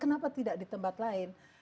kenapa tidak di tempat lain